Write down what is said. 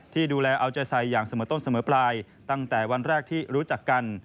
ที่ดูแลเอาใจใส่อย่างเสมอต้นเสมอปลายตั้งแต่วันแรกที่รู้จักกัน